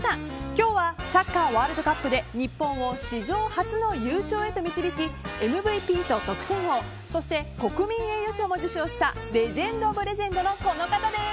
今日はサッカーワールドカップで日本を史上初の優勝へと導き、ＭＶＰと得点王そして国民栄誉賞も受賞したレジェンド・オブ・レジェンドのこの方です。